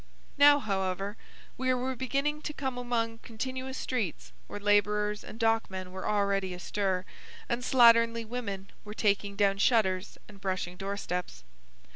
Now, however, we were beginning to come among continuous streets, where labourers and dockmen were already astir, and slatternly women were taking down shutters and brushing door steps.